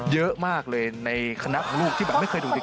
เยอะมากเลยในคณะของลูกที่แบบไม่เคยดูดี